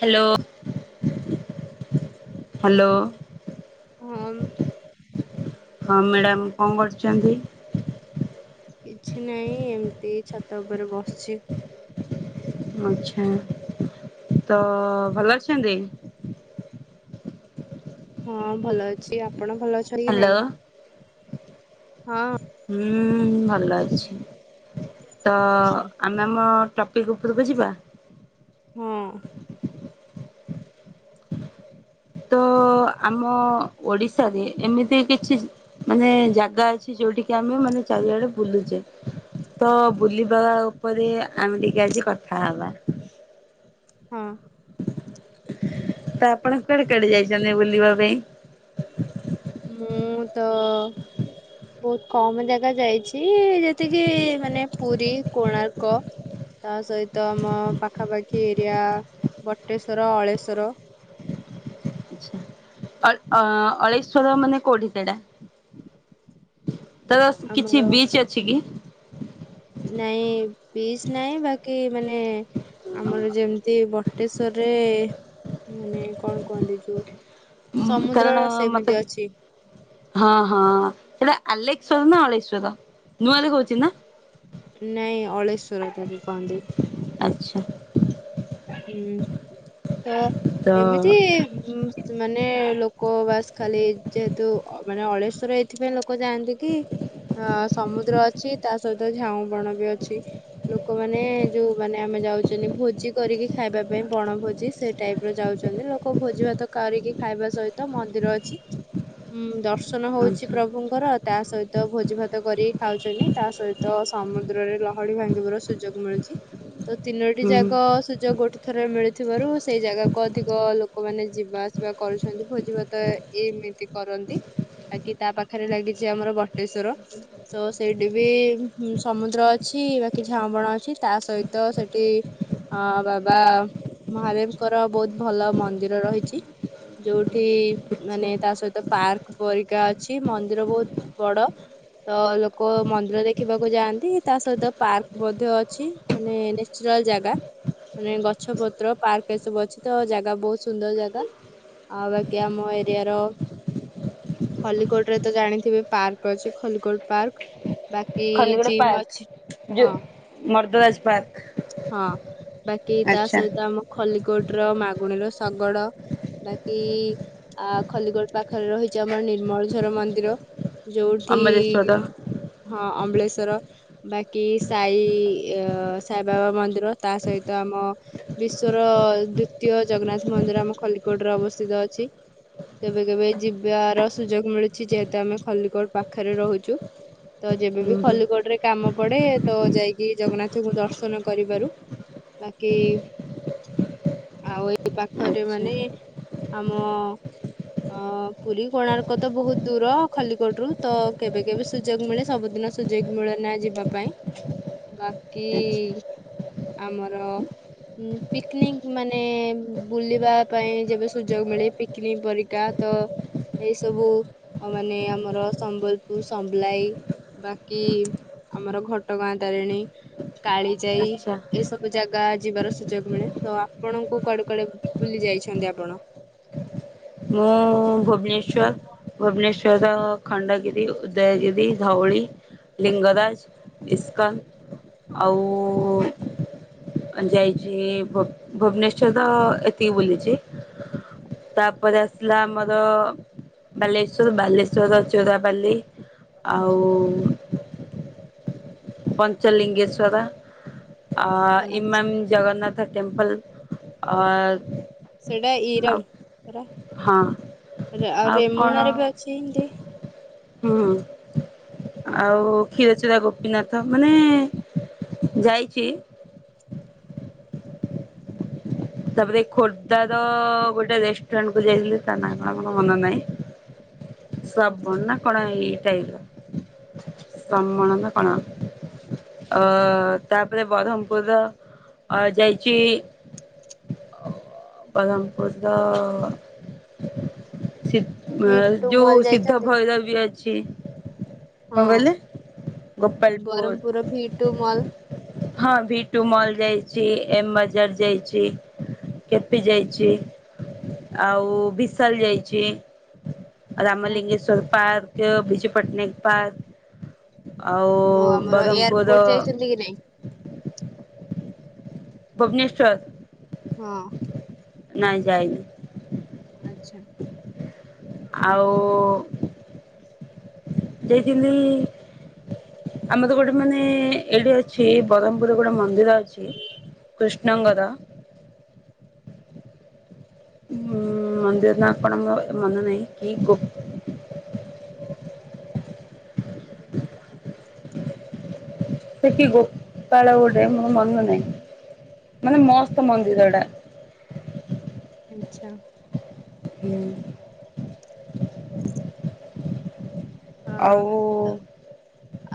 Hello. Hello. ହଁ ହଁ madam କଣ କରୁଚନ୍ତି। କିଛି ନାହିଁ ଏମିତି ଛାତ ଉପରେ ବସଚି। ଆଚ୍ଛା ତ ଭଲ ଅଛନ୍ତି? ହଁ ଭଲ ଅଛି ଆପଣ ଭଲ ଅଛନ୍ତି କି ହ୍ୟାଲୋ। ନାଇଁ? ହୁଁ ଭଲ ଅଛି ତ ଆଚ୍ଛା ଆମ୍ ନାମ ଟପିକ୍ ଉପରକୁ ଯିବା? ହୁଁ। ତ ଆମ ଓଡିଶାରେ ଏମିତି କିଛି ମାନେ ଜାଗା ଅଛି ଯୋଉଠିକି ଆମେ ମାନେ ଚାରିଆଡେ ବୁଲୁଚେ। ତ ବୁଲିବା ଉପରେ ଆମେ ଟିକେ ଆଜି କଥା ହେବା। ହଁ। ତ ଆପଣ କୁଆଡେ କୁଆଡେ ଯାଇଚନ୍ତି ବୁଲିବା ପାଇଁ? ମୁଁ ତ ବୋହୁତ କମ୍ ଜାଗା ଯାଇଚି ଯେତିକି ମାନେ ପୁରୀ କୋଣାର୍କ। ତା ସହିତ ଆମ ପାଖାପାଖି ଏରିଆ ବଟେଶ୍ଵର ଅଳେଶ୍ଵର। ଅଳ ଅ ଅଳେଇସ୍ୱର ମାନେ କୋଉଠି ସେଇଟା? ତାର କିଛି ଆମର ବିଚ୍ ଅଛି କି? ନାଇଁ ପିସ୍ ନାଇଁ ବାକି ମାନେ ଆମର ଯେମିତି ବଟେଶ୍ଵରରେ ମାନେ କଣ କୁହନ୍ତି ଯୋଉ ସମୁଦ୍ର କାରଣ ର ମତେ ସେମିତି ଅଛି। ହଁ ହଁ ସେଇଟା ଆଲେକସ୍ୱର ନାଁ ଅଳେଶ୍ଵର ନୂଆ ଦେଖୁଚି। ନାଇଁ ଅଳେଶ୍ଵର ବୋଲି କହନ୍ତି। ଆଚ୍ଛା। ହୁଁ ତ ତ ଏମିତି ମାନେ ଲୋକ ବାସ୍ ଖାଲି ଯେହେତୁ, ମାନେ ଅଳେଶ୍ଵର ଏଇଥିପାଇଁ ଲୋକ ଯାଆନ୍ତି କି? ଅ ସମୁଦ୍ର ଅଛି, ତା ସହିତ ଝାଉଁ ବଣ ବି ଅଛି। ଲୋକମାନେ ଯୋଉ ମାନେ ଆମେ ଯାଉଛନ୍ତି ଭୋ ଜି କରିକି ଖାଇବା ପାଇଁ ବଣ ଭୋଜି ସେ ଟାଇପ ର ଯାଉଛନ୍ତି। ଲୋକ ଭୋଜି ଭାତ କରିକି ଖାଇବା ସହିତ, ତ ମନ୍ଦିର ଅଛି। ହୁଁ, ଦର୍ଶନ ହୋଉଚି ଆଚ୍ଛା ପ୍ରଭୁଙ୍କର, ତା ସହିତ ଭୋଜି ଭାତ କରିକି ଖାଉଚନ୍ତି। ତା ସହିତ ତ ସମୁଦ୍ରରେ ଲହଡି ଭାଙ୍ଗିବାର ସୁଯୋଗ ମିଳୁଚି। ତ ତିନୋଟି ହୁଁ ଜାଗା ସୁଯୋଗ ଗୋଟେ ଥରରେ ମିଳୁଥିବାରୁ, ସେଇ ଜାଗାକୁ ଅଧିକ ଲୋକମାନେ ଯିବା ଆସିବା କରୁଛନ୍ତି। ଭୋଜି ଭାତେ ଏଏମିତି କରନ୍ତି, ବାକିି ତା ପାଖରେ ଲାଗିଚି ଆମର ବଟେଶ୍ଵର। ତ ସେଇଠି ବି ସମୁଦ୍ର ଅଛି ବାକି ଝାଁଉଁ ବଣ ଅଛି। ତା ସହିତ ସେଠି ହଁ ବାବା ମହାଦେବଙ୍କର ବହୁତ ଭଲ ମନ୍ଦିର ରହିଚି। ଯୋଉଠି ଆଚ୍ଛା ମାନେ ତା ସହିତ ପାର୍କ ପରିକା ଅଛି ମନ୍ଦିର ବହୁତ ବଡ। ତ ଲୋକ ମନ୍ଦିର ଦେଖିବାକୁ ଯାଆନ୍ତି, ତା ସହିତ ପାର୍କ ମଧ୍ୟ ଅଛି। ମାନେ ନିଶ୍ଚିଳ ଜାଗା। ମାନେ, ଗଛ ପତ୍ର ପାର୍କ ଏସବୁ ଅଛି ତ ଜାଗା ବହୁତ ସୁନ୍ଦର ଜାଗା। ଆଉବାକି ଆମ ଏରିଆାର ଖଲିକୋଟ ରେ ତ ଜାଣିଥିବେ ପାର୍କ ଅଛି ଖଲିକୋଟ ପାର୍କ। ବାକି ଜିମ୍ ଅଛି, ହଁ। ମର୍ଦୱାଜ ପାର୍କ। ହଁ, ବାକି ତା ଆଚ୍ଛା ସହିତ ଆମ ଖଲିକୋଟ ର ମାଗୁଣୀର ଶଗଡ ବାକି ଆ ଖଲିକୋଟ ପାଖରେ ରହିଛି ଆମର ନିର୍ମଳଝର ମନ୍ଦିର। ଯୋଉଠି ଅମରେଶ୍ଵର ହଁ ଅମ୍ବଳେଶ୍ଵର ବାକି ସାଇ ସାଇବାବା ମନ୍ଦିର ତା ସହିତ ଆମ, ବିଶ୍ଵର ଦ୍ଵିତୀୟ ଜଗନ୍ନାଥ ମନ୍ଦିର ଆମ ଖଲିକୋଟରେ ଅବସ୍ଥିତ ଅଛି। କେବେ କେବେ ଯିବାର ସୁଯୋଗ ମିଳୁଛି, ଯେହେତୁ ଆମେ ଖଲିକୋଟ ପାଖରେ ରହୁଚୁ। ତ ହୁଁ ଯେବେବି ହୁଁ ଖଲିକୋଟରେ କାମ ପଡେ, ତ ଯାଇକି ଜଗନ୍ନାଥଙ୍କୁ ଦର୍ଶ ନ କରିବାରୁ ବାକି ଆଉ ଏଇ ପାଖରେ, ଆଚ୍ଛା ମାନେ ଆମ ଅ ପୁରୀ କୋଣାର୍କ ତ ବହୁତ ଦୂର। ଖଲିକୋଟରୁ ତ କେବେ କେବେ ସୁଯୋଗ ମିଳେ, ସବୁଦିନ ସୁଯୋଗ ମିଳେ ନା ଯିବା ପାଇଁ ବାକି ଆଚ୍ଛା ଆମର, ଉଁ ପିକନିକ୍ ମାନେ ବୁଲିବା ପାଇଁ ଯେବେ ସୁଯୋଗ ମିଳେ ପିକନିକ୍ ପରିକା। ତ ଏଇସବୁ, ମାନେ ଆମର ସମ୍ବଲପୁର ସମ୍ଲାଇ। ବାକି ଆମର ଘଟଗାଁ ତାରିଣୀ, କାଳିଜାଇ ଆଚ୍ଛା ଏସବୁ ଜାଗା ଯିବାର ସୁଯୋଗ ମିଳେ, ତ ଆପଣଙ୍କୁ କୁଆଡ଼େ କୁଆଡେ ବୁଲି ଯାଇଛନ୍ତି ଆପଣ? ମୁଁ ଭୁବନେଶ୍ଵର, ଭୁବନେଶ୍ୱର ଖଣ୍ଡଗିରି, ଉଦୟଗିରି, ଧଉଳି, ଲିଙ୍ଗରାଜ ଇସ୍କନ୍, ଆଉ ହଁ ଯାଇଚି ଭୁବନେଶ୍ଵର ଏତିକି ବୁଲିଚି। [unintelligible] ତା ଉପରେ ଆସିଲା ଆମର ବାଲେଶ୍ଵର ବାଲେଶ୍ଵରର ଚୋରାବାଲି, ଆଉ ପଞ୍ଚଲିଙ୍ଗେଶ୍ଵରା ଆ ଆଚ୍ଛା ଇମାମ ଜଗନ୍ନାଥ, ଟେମ୍ପୁଲ ଅର ସେଇଟା ଇରମ୍ ପରା ହଁ ଆ ଆଉ ରେମୁଣାରେ ବି ଅଛି ଏମିତି ହୁଁ ହଁ ଆଉ କ୍ଷୀରଚୋରା ଗୋ ଗୋପୀନାଥ ମାନେ ଯାଇଚି ତାପରେ ଖୋର୍ଦ୍ଧାର ଗୋଟେ ରେଷ୍ଟୁରାଣ୍ଟକୁ ଯାଇଥିଲି ତା ନାଁ କଣ ମୋର ମନ ନାହିଁ। ଶ୍ରବଣ ଆଛା। ନା କଣ ଏଇ ଟାଇପ୍ ର ସମଣ ନା କଣ? ଅ ତାପରେ ବରହମପୁର ଅ ଯାଇଚି ଅ ବରହମପୁର ର ଭି ସିଦ୍ ଟୁ ଯୋଉ ମଲ୍ ଯାଇଛନ୍ତି ସିଦ୍ଧଭୈରିବୀ ଅଛି। ହଁ କଣ କଇଲେ Gopalpur. Brahmapur V two mall. ହଁ ଭିଟୁ ମଲ୍ ଯାଇଚି, ଏମ ବଜାର ଯାଇଚି। କେପି ଯାଇଚି ଆଉ ବିଶାଲ ଯାଇଚି। ଆଉ ରାମଲିଙ୍ଗେଶ୍ୱର ପାର୍କ, ବିଜୁ ପଟ୍ଟନାୟକ ପାର୍କ ଆଉ ଆମର ବରହମପୁର ଏୟାରପୋର୍ଟ ର [inaudible] ଭୁବନେଶ୍ୱର। ହଁ। ନାଇଁ ଯାଇନି। ଆଚ୍ଛା। ଆଉ ଦେଇଦେଲି ଆମର ତ ଗୋଟେ ମାନେ ଏଇଠି ଅଛି ବରହମପୁର ରେ ଗୋଟେ ମନ୍ଦିର ଅଛି। କୃଷ୍ଣଙ୍କର। ହୁଁ ମନ୍ଦିର ନାଁ କଣ ମୋର ମନ ନାହିଁ କି ଗୋ ସେ କି ଗୋପାଳ ଗୋଟେ ମୋର ମନ ନାହିଁ। ମାନେ ମସ୍ତ ମନ୍ଦିର ଡା। ଆନ୍ଚ୍ଛା। ହୁଁ। [inaudible] ଆଉ ହଁ। ଉ ତ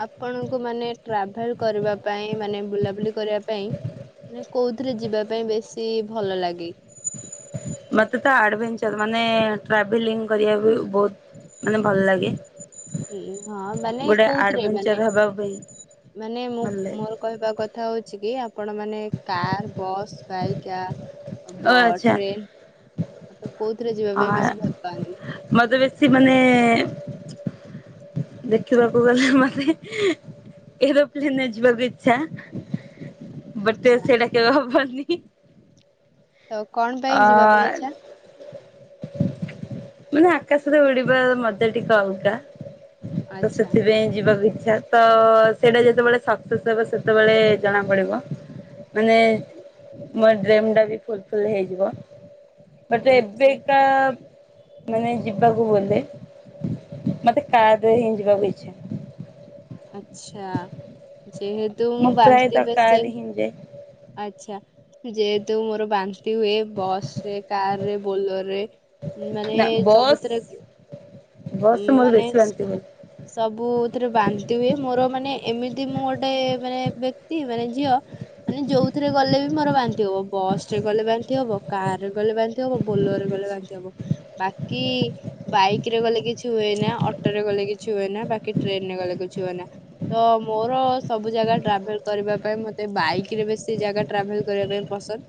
ଆପଣଙ୍କୁ ମାନେ ଟ୍ରାଭେଲ କରିବା ପାଇଁ ମାନେ ବୁଲାବୁଲି କରିବା ପାଇଁ ମାନେ କୋଉଥିରେ ଯିବା ପାଇଁ ବେଶୀ ଭଲ ଲାଗେ? ମତେ ତ ଆଡଭେଞ୍ଚର ମାନେ ଟ୍ରାଭେଲିଙ୍ଗ କରିଆକୁ ବହୁତ ମାନେ ଭଲ ଲାଗେ। ହୁଁ ହଁ ମାନେ ଗୋଟେ କୋଉଥିରେ ମାନେ ଆଡଭେଞ୍ଚର ହେବା ପାଇଁ ମାନେ ମୁଁ ଭଲ ଲାଗେ। ମୋର କହିବା କଥା ହଉଛି କି ଆପ ଆପଣ ମାନେ କାର, ବସ୍ ବାଇକ୍ ୟା ଓ ବ ଆଚ୍ଛା ଟ୍ରେନ୍ ତ କୋଉଥିରେ ଯିବା ପାଇଁ ବେଶୀ ଭଲ ପାଆନ୍ତି? ସେ ମାନେ ଦେଖିବାକୁ ଗଲେ ମତେ ଏରୋପ୍ଲେନରେ ଯିବାକୁ ଇଚ୍ଛା। ବଟେ ଆଚ୍ଛା ସେଇଟା କେବେ ହବନି। ତ କଣ ଅ ପାଇଁ ଆ ଯିବା ପାଇଁ ଇଚ୍ଛା? ମାନେ ଆକାଶରେ ଉଡିବା ମଜା ଟିକେ ଅଲଗା। ତ ଆଚ୍ଛା ସେଥିପାଇଁ ଯିବାକୁ ଇଚ୍ଛା। ତ ସେଇଟା ଯେତେବେଳେ ସକ୍ସେସ୍ ହବ ସେତେବେଳେ ଜଣା ପଡିବ ମାନେ ମୋ ଡ୍ରିମି ଟା ବି ଫୁଲୁଫିଲ୍ ହେଇଯିବ ମତେ ଆଚ୍ଛା ଏବେକା ମାନେ ଯିବାକୁ ବୋଧେ ମତେ କାରେ ହିଁ ଯିବାକୁ ଇଚ୍ଛା। ଆଛା ଯେହେତୁ ମୁଁ ବାନ୍ତି ପ୍ରାୟତଃ କାର ରେ ପେସେଣ୍ଟେ। ହିଁ ମୁଁ ଯାଏ। ଆଚ୍ଛା ଯେହେତୁ ମୋର ବା ବନ୍ତି ହୁଏ ବସରେ କାରରେ ବୋଲୋରରେ ମାନେ ନା ବସ୍ ସବୁଥିରେ। ବସ୍ ରେ ଉଁ ମୋର ମାନେ ବେଶୀ ସେ ବାନ୍ତି ହୁଏ। ସବୁଥିରେ ବାନ୍ତି ହୁଏ ମୋର ମାନେ ଏମିତି ମୁଁ ଗୋଟେ ମାନେ ବ୍ୟକ୍ତି ମାନେ ଝିଅ। ମାନେ ଯୋଉଥିରେ ଗଲେ ବି ମୋର ବାନ୍ତି ହବ ବସରେ ଗଲେ ବାନ୍ତି ହବ କାର ରେ ଗଲେ ବାନ୍ତି। ବାନ୍ତି ହବ ବୋଲରରେ ଗଲେ ବାନ୍ତି ହବ ବାକି ବାଇକି ରେ ଗଲେ କି କିଛି ହୁଏ ନା ଅଟୋ ରେ ଗଲେ କିଛି ହୁଏ ନା ବାକି ଟ୍ରେନେ ରେ ଗଲେ କିଛି ହୁଏ ନା। ତ ମୋର ସବୁ ଜାଗା ଟ୍ରାଭେଲେ କରିବା ପାଇଁ ମତେ ବାଇକି ରେ ବେଶୀ ଜାଗା ଟ୍ରାଭେଲେ କରିବା ପାଇଁ ପସନ୍ଦ।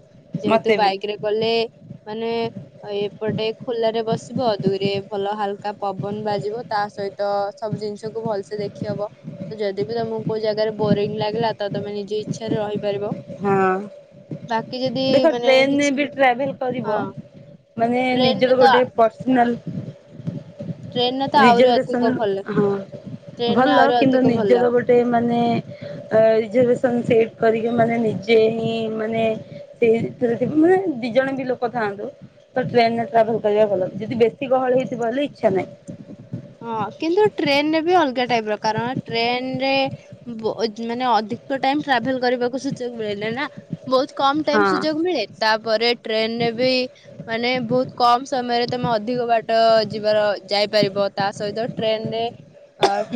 ଯେହେତୁ ମତେ ବି ବାଇକି ରେ ଗଲେ ମାନେ ଏପଟେ ଖୋଲରେ ବସିବ ଦୁଇରେ ଭଲ ହାଲକା ପବନ ବାଜିବ ତା ସହିତ ସବୁ ଜିନିଷ କୁ ଭଲସେ ଦେଖି ହବ। ଯଦି ବିି ତମକୁ କୋଉ ଜାଗାରେ ବୋରିଙ୍ଗି ଲାଗିଲା ତ ତମେ ନିଜେ ଇଚ୍ଛାରେ ରହିପାରିବ। ହଁ ବାକି ଅଁ ଯଦି ଦେଖ ମାନେ ଟ୍ରେନେରେ କିଛି ବି ଟ୍ରାଭେଲ କରିବ। ହଁ ମାନେ ଟ୍ରେନରେ ନିଜର ତ ଗୋଟେ ଟ୍ରେନରେ ତ ପର୍ସନାଲ ଆହୁରି ରିଜର୍ଭସନ ଅଧିକ ଭଲ ହଁ ଟ୍ରେନରେ ଭଲ। ଆହୁରି କିନ୍ତୁ ଅଧିକ ଭଲ। ନିଜର ଗୋଟେ ଗୋଟେ ମାନେ ରିଜରର୍ଭେ ନ୍ ସିଟ୍ କରିକି ମାନେ ନିଜେ ହିଁ ମାନେ ଟ୍ରେନେ ଭିତରେ ଯଦି ମାନେ ଦି ଜଣ ବି ଲୋକ ଥାଆନ୍ତୁ। ତ ଟ୍ରେନେ ରେ ଟ୍ରାଭେଲେ କରିବା ଭଲ ଯଦି ବେଶୀ ଗହଳି ହେଇଥିବ ହେଲେ ଇଚ୍ଛା ନାହିଁ। ହଁ କିନ୍ତୁ ଟ୍ରେନେରେ ବି ଅଲଗା ଟାଇପି ର କାରଣ ଟ୍ରେନେରେ ବୋ ମାନେ ଅଧିକ ଟାଇମି ଟ୍ରାଭେଲେ କରିବାକୁ ସୁଯୋଗ ମିଳେନେହିଁ ନା। ବହୁତ କମ ଟାଇମି ହଁ ସୁଯୋଗ ମିଳେ ତାପରେ ଟ୍ରେନେ ରେ ବି ମାନେ ବହୁତ କମ୍ ସମୟରେ ତମେ ଅଧିକ ବାଟ ଯିବାର ଯାଇପାରିବ। ତା ସହିତ ଟ୍ରେନେରେ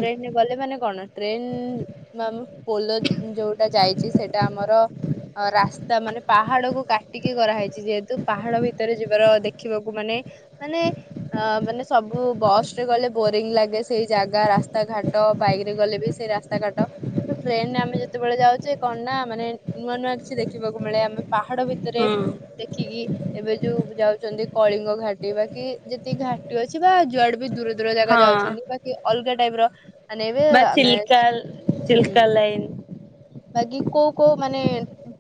ଟ୍ରେନେରେ ଗଲେ ମାନେ କଣ ଟ୍ରେନେ ମାମ୍ ପୋଲ ଯୋଉଟା ଯାଇଛି ସେଟା ଆମର। ଅ ରାସ୍ତା ମାନେ ପାହାଡକୁ କାଟିକି କରାହେଇଚି ଯେହେତୁ ପାହାଡ ଭିତରେ ଯିବାର ଦେଖିବାକୁ ମାନେ ମାନେ ଅ ମାନେ ସବୁ ବସ୍। ଯେ ଗଲେ ବୋରିଂଙ୍ଗି ଲାଗେ ସେଇ ଜାଗା ରାସ୍ତାଘାଟ ବାଇକି ରେ ଗଲେ ବି ସେଇ ରାସ୍ତାଘାଟ। ଟ୍ରେନେରେ ଆମେ ଯେତେବେଳେ ଯାଉଚେ କଣ ନା ମାନେ ନୂଆ ନୂଆ କିଛି ଦେଖିବାକୁ ମିଳେ ଆମେ ପାହାଡ ଭି ଭିତରେ ରେ ହୁଁ ଦେଖିକି। ଏବେ ଯୋଉ ଯାଉଛନ୍ତି କଳିଙ୍ଗ ଘାଟି ବା କି ଯେତିକି ଘାଟି ଅଛି ବା ଯୁଆଡେ ବି ଦୂର ଦୂର ଜାଗା ଯାଉଛନ୍ତି। ହଁ ବାକି ଅଲଗା ଟାଇପ ର। ମାନେ ଏବେ ବା ଆମେ ଚିଲିକା ଆସିଚୁ ଚିଲିକା ହୁଁ। ଲାଇନ ବାକି କୋଉ କୋଉ ମାନେ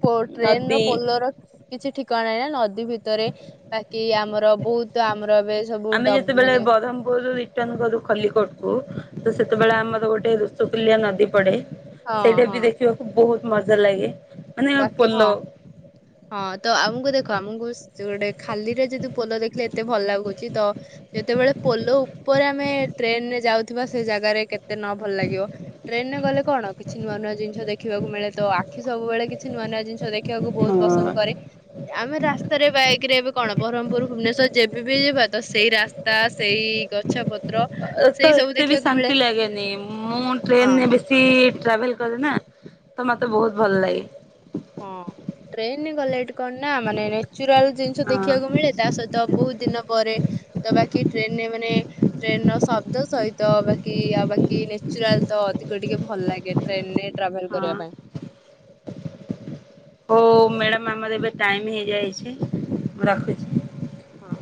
ଟ୍ରେନେ ର ନଦୀ ପୋଲର। କିଛି ଠିକଣା ନାହି ନା ନଦୀ ଭିତରେ ବାକି ଆମର ବହୁତୁ। ତ ଆମର ଏବେ ସବୁ ଡ ମାନେ [inaudible] ସତ୍ୟନଗରରୁ ଖଲିକୋଟ କୁ ତ ସେତେବେଳେ ଆମର ଗୋଟେ ଋଷୁକୁଲ୍ୟା ନଦୀ ପଡେ। ହଁ ସେଇଟା ହଁ ବି ଦେଖିବାକୁ ବହୁତୁ ମଜା ଲାଗେ। ମାନେ ବାକି ପୋଲ ହଁ ହଁ ତ ଆମୁକୁ ଦେଖ ଆମୁକୁ। ଯେ ଗୋଟେ ଖାଲିର ଯେହେତୁ ପୋଲ ଦେଖିଲେ ଏତେ ଭଲ ଲାଗୁଛି ତ। ଯେତେବେଳେ ପୋଲୋ ଉପରେ ଆମେ ଟ୍ରେନେରେ ଯାଉଥିବା ସେ ଜାଗାରେ କେତେ ଭଲ ନ ଲାଗିବ। ଟ୍ରେନରେ ଗଲେ କଣ କିଛି ନୂଆ ନୂଆ ଜିନିଷ ଦେଖିବାକୁ ମିଳେ ତ ଆଖି ସବୁବେଳେ କି ଛି ନୂଆ ନୂଆ ଜିନିଷ ଦେଖିଆକୁ ହଁ। ବହୁତ୍ ପସନ୍ଦ କରେ। ଆମେ ରାସ୍ତାରେ ବାଇକ ରେ ଏବେ କଣ ବ୍ରହ୍ମପୁର ଭୁବନେଶ୍ଵର ଯେବେ ବି ଯିବା ତ ସେଇ ରାସ୍ତା ସେଇ ଗଛ୍ ଇଚ୍ଛା ପତ୍ର ତ ସେଇ ସବୁ ଏତେ ବି ଦେଖିବାକୁ ମିଳେ ଶାନ୍ତି ଲାଗେନି। ମୁଁ ହଁ ଟ୍ରେନ ରେ ବେଶ୍ ଶି ଟ୍ରାଭେଲ୍ କରେ ନା ତ ମତେ ବହୁତ୍ ଭଲଲାଗେ। ହଁ ଟ୍ରେନରେ ଗଲେ ଏଠି କଣ ନା ମାନେ ନେଚୁରାଲ୍ ଜିନିଷ ହଁ ଦେଖିବାକୁ ମିଳେ ତା ସହିତ ବହୁତ ଦିନ ପରେ ତ ବାକି ଟ୍ରେନରେ ମାନେ ଟ୍ରେନ ର ଶବ୍ଦ ସହିତ ବାକି ଆଉ ବାକି ନେଚୁରାଲ ତ ଅଧିକ ଟିକେ ଭଲ ଲାଗେନି ଟ୍ରେନ ରେ ଟ୍ରାଭେଲ ହଁ। କରିବା ପାଇଁ। ହଉ ମ୍ୟାଡାମ୍ ଆମର ଏବେ ଟାଇମ୍ ହେଇଯାଇଚି ମୁଁ ରଖୁଚି। ହଁ।